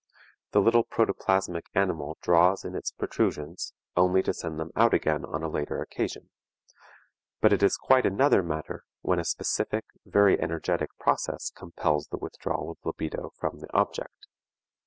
The little protoplasmic animal draws in its protrusions, only to send them out again on a later occasion. But it is quite another matter when a specific, very energetic process compels the withdrawal of libido from the object.